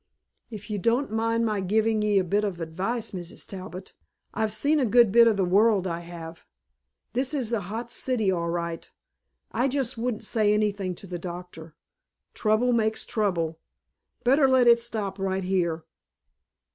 "If you don't mind my giving ye a bit of advice, Mrs. Talbot I've seen a good bit of the world, I have this is a hot city, all right I just wouldn't say anything to the doctor. Trouble makes trouble. Better let it stop right here."